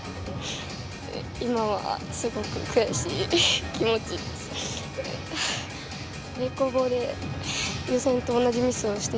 今はすごく悔しい気持ちです。